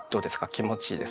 気持ちいいです？